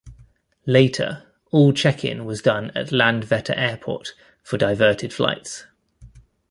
Later all check-in was done at Landvetter Airport for diverted flights.